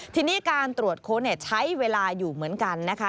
ทีนี้การตรวจค้นใช้เวลาอยู่เหมือนกันนะคะ